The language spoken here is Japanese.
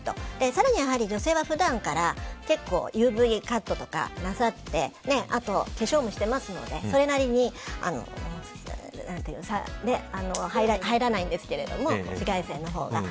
更にやはり、女性は普段からＵＶカットとかなさってあと化粧もしてますのでそれなりに入らないんですけれども紫外線のほうが。